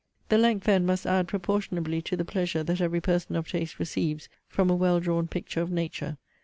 the length then must add proportionably to the pleasure that every person of taste receives from a well drawn picture of nature.